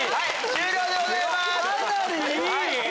終了でございます。